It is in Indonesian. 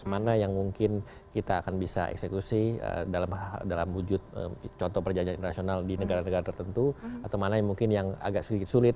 mana yang mungkin kita akan bisa eksekusi dalam wujud contoh perjanjian internasional di negara negara tertentu atau mana yang mungkin yang agak sedikit sulit